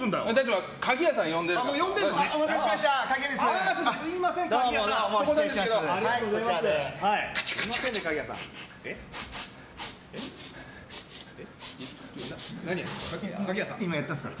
鍵屋さん呼んでるから。